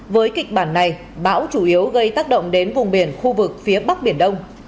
với kịch bản này bão chủ yếu gây tác động đến vùng biển khu vực phía bắc biển đông